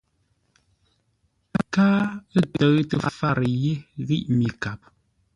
Káa ə̂ tə́ʉtə́ fárə yé ghíʼ mi kap.